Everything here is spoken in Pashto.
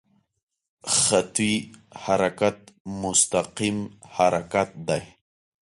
خطي حرکت مستقیم حرکت دی.